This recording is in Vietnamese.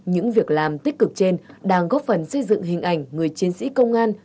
những việc làm tích cực trên đang góp phần xây dựng hình ảnh người chiến sĩ công an